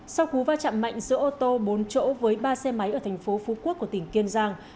sau cú va chạm mạnh giữa ô tô bốn chỗ với ba xe máy ở thành phố phú quốc của tỉnh kiên giang